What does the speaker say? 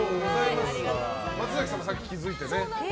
松崎さんもさっき気づいてね。